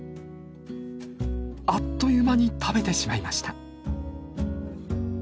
あっという間に食べてしまいました。